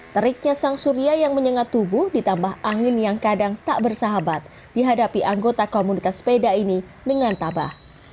teriknya sang surya yang menyengat tubuh ditambah angin yang kadang tak bersahabat dihadapi anggota komunitas sepeda ini dengan tabah